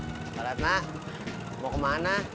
kepala etna mau kemana